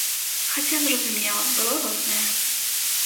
Хаця, зразумела, было рознае.